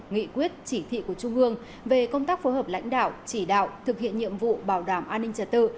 nghị quyết chỉ thị của trung ương về công tác phối hợp lãnh đạo chỉ đạo thực hiện nhiệm vụ bảo đảm an ninh trật tự